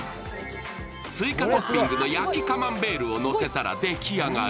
追加トッピングの焼きカマンベールをのせたら出来上がり。